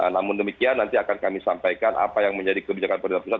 namun demikian nanti akan kami sampaikan apa yang menjadi kebijakan pemerintah pusat